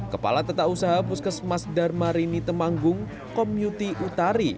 kepala tetak usaha puskesmas darmarini temanggung komuti utari